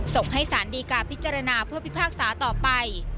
ส่งให้สารดีการพิจารณาเพื่อพิพากษาต่อไป